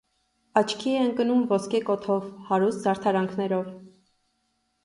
Աչքի է ընկնում ոսկե կոթով, հարուստ զարդարանքներով։